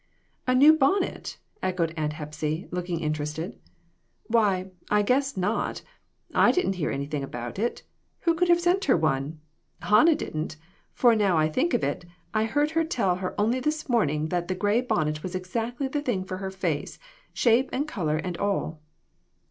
"A new bonnet?" echoed Aunt Hepsy, look ing interested. " Why, I guess not ; I didn't hear anything of it. Who could have sent her one ? Hannah, didn't, for now I think of it, I heard her tell her only this morning that the gray bonnet was exactly the thing for her face, shape and color and all."